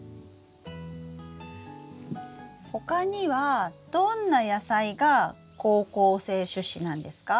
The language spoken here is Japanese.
他にはどんな野菜が好光性種子なんですか？